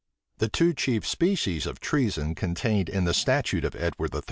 The two chief species of treason contained in the statute of Edward III.